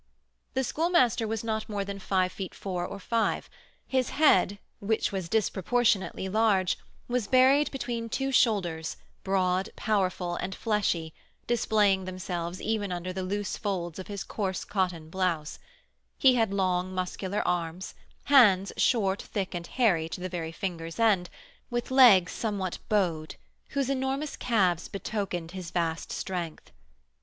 The Schoolmaster was not more than five feet four or five; his head, which was disproportionately large, was buried between two shoulders, broad, powerful, and fleshy, displaying themselves even under the loose folds of his coarse cotton blouse; he had long, muscular arms, hands short, thick, and hairy to the very fingers' end, with legs somewhat bowed, whose enormous calves betokened his vast strength.